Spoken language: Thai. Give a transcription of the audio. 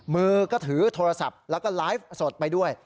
มือก็ถือโทรศัพท์แล้วก็ไลฟ์สดไปด้วย